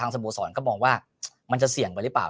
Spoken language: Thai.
สมบูรณ์สอนก็บอกว่ามันจะเสี่ยงกันหรือเปล่า